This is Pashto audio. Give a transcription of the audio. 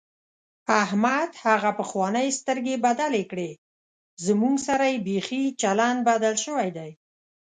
احمد هغه پخوانۍ سترګې بدلې کړې، زموږ سره یې بیخي چلند بدل شوی دی.